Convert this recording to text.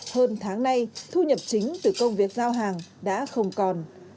hơn tháng nay thu nhập chính từ công việc giao hàng đã không còn